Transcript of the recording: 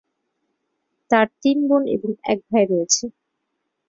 তার তিন বোন এবং এক ভাই রয়েছে।